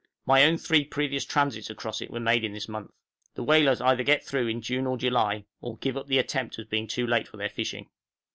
My own three previous transits across it were made in this month. The whalers either get through in June or July, or give up the attempt as being too late for their fishing.